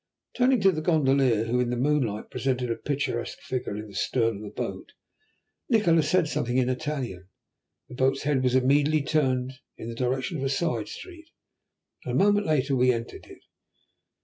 Turning to the gondolier, who in the moonlight presented a picturesque figure in the stern of the boat, Nikola said something in Italian. The boat's head was immediately turned in the direction of a side street, and a moment later we entered it.